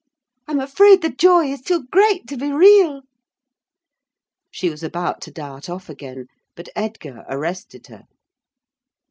I'm afraid the joy is too great to be real!" She was about to dart off again; but Edgar arrested her.